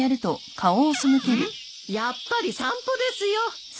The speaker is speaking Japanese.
やっぱり散歩ですよ。